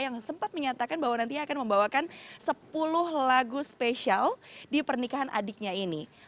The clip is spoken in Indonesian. yang sempat menyatakan bahwa nantinya akan membawakan sepuluh lagu spesial di pernikahan adiknya ini